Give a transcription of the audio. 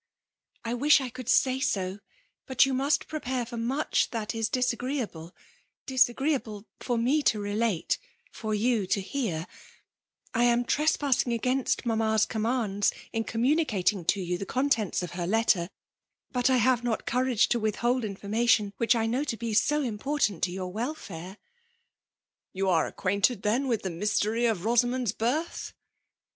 ',' r widi I could say so I Bat you must prepare for much that is disagreeable — dis* agreeable for me to relate — ^for you to bean I am trespassing against mammals commi^di in communicating to you the contents of her letter; but I have not courage to withhold information which I know to be so important to youjr welfare." '' You are acquainted^ thei^ with the mystt^ry of Rosamond's birth